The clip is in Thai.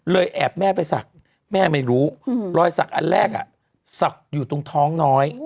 แอบแม่ไปศักดิ์แม่ไม่รู้รอยสักอันแรกศักดิ์อยู่ตรงท้องน้อย